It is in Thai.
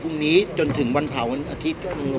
พี่อัดมาสองวันไม่มีใครรู้หรอก